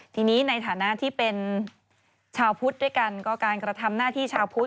ทีนี้ในฐานะที่เป็นชาวพุทธด้วยกันก็การกระทำหน้าที่ชาวพุทธ